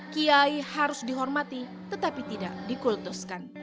kiai harus dihormati tetapi tidak dikultuskan